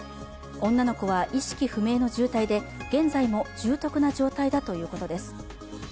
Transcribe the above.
女の子は意識不明の重体で現在も重篤な状態だということです。